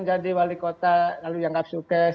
jadi wali kota lalu yang ngapsukes